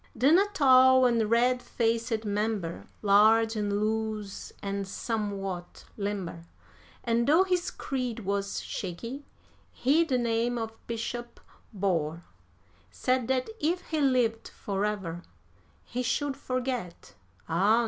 Then a tall and red faced member, large and loose and somewhat limber (And though his creed was shaky, he the name of Bishop bore), Said that if he lived forever, he should forget, ah!